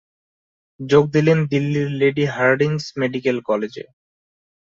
যোগ দিলেন দিল্লির লেডি হার্ডিঞ্জ মেডিক্যাল কলেজে।